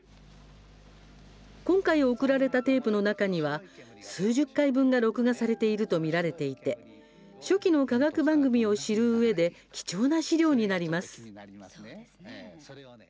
今回送られたテープの中には数十回分が録画されているとみられていて初期の科学番組を知るうえで貴重な資料になります。